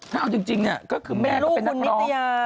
ถ้าเอาจริงเนี่ยก็คือแม่ก็เป็นนักร้อง